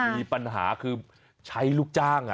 มีปัญหาคือใช้ลูกจ้าง